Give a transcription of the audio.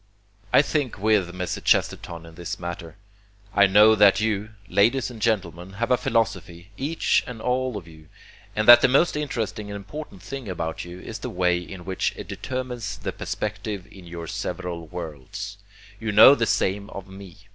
I think with Mr. Chesterton in this matter. I know that you, ladies and gentlemen, have a philosophy, each and all of you, and that the most interesting and important thing about you is the way in which it determines the perspective in your several worlds. You know the same of me.